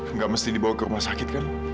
nggak mesti dibawa ke rumah sakit kan